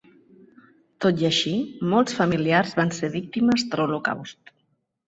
Tot i així, molts familiars van ser víctimes de l'Holocaust.